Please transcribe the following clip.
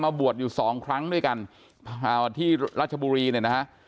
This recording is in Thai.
บวชอยู่สองครั้งด้วยกันที่ราชบุรีเนี่ยนะฮะ